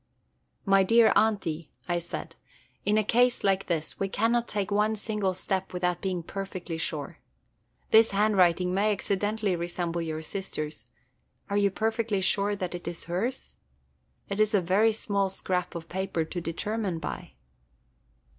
"My dear Aunty," I said, "in a case like this we cannot take one single step without being perfectly sure. This handwriting may accidentally resemble your sister's. Are you perfectly sure that it is hers? It is a very small scrap of paper to determine by."